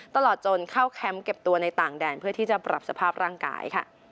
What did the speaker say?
ตลอดจนเข้าแคมป์เก็บตัวในต่างแดนเพื่อที่จะปรับสภาพร่างกายค่ะ